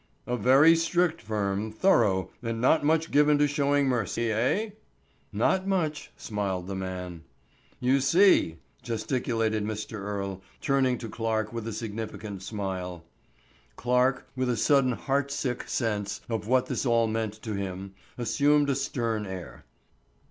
"A very strict firm, thorough, and not much given to showing mercy, eh?" "Not much," smiled the man. "You see!" gesticulated Mr. Earle, turning to Clarke with a significant smile. Clarke, with a sudden heartsick sense of what this all meant to him, assumed a stern air.